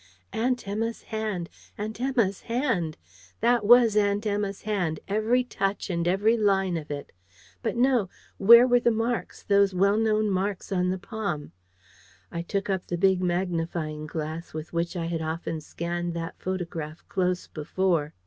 Aunt Emma's hand! Aunt Emma's hand! That was Aunt Emma's hand, every touch and every line of it. But no! where were the marks, those well known marks on the palm? I took up the big magnifying glass with which I had often scanned that photograph close before.